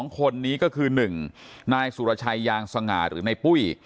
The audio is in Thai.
๒คนนี้ก็คือ๑นายสุรชัยยางสง่าหรือในปุ้ย